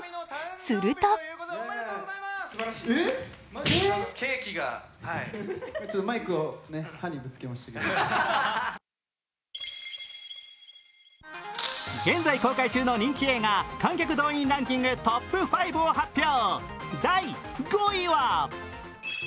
すると現在公開中の人気映画、観客動員ランキングトップ５を発表。